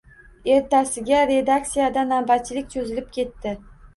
Ertasiga redaksiyada navbatchilik cho‘zilib ketdi.